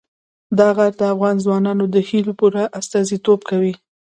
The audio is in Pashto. دا غر د افغان ځوانانو د هیلو پوره استازیتوب کوي.